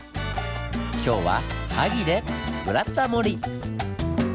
今日は萩で「ブラタモリ」！